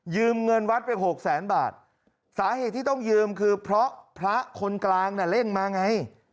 เงินวัดไปหกแสนบาทสาเหตุที่ต้องยืมคือเพราะพระคนกลางน่ะเร่งมาไง